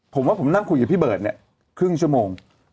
ผมว่าผมนั่งคุยกับพี่เบิร์ตเนี่ยครึ่งชั่วโมง